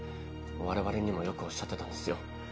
我々にもよくおっしゃってたんですよ。